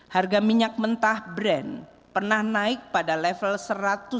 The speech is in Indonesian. harga minyak mentah brand pernah naik pada level satu ratus lima belas dolar per barel pada juni dua ribu empat belas